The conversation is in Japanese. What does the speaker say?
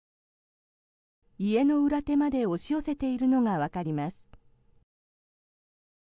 家の裏手まで押し寄せているのがわかります。